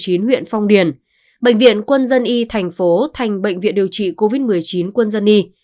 trung tâm y tế huyện phong điền thành bệnh viện quân dân y thành phố thành bệnh viện điều trị covid một mươi chín quân dân y